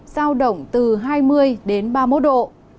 giao động từ hai mươi ba mươi một độ